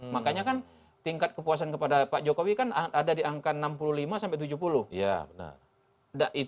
makanya kan tingkat kepuasan kepada pak jokowi kan ada di angka enam puluh lima sampai tujuh puluh